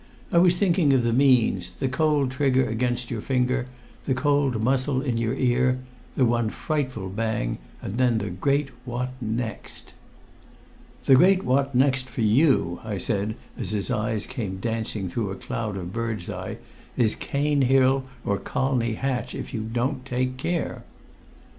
I was thinking of the means the cold trigger against your finger the cold muzzle in your ear the one frightful bang and then the Great What Next!" "The Great What Next for you," I said, as his eyes came dancing through a cloud of birdseye, "is Cane Hill or Colney Hatch, if you don't take care."